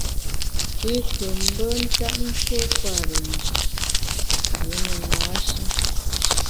I nkù mbe ntap tuo kwer i njap, rié ne na-shi.